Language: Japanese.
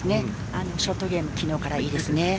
ショートゲーム昨日からいいですね。